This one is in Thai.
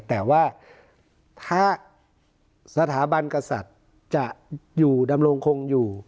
แต่ว่าถ้าสถาบันกษัตริย์จะอยู่ดำรงคงอยู่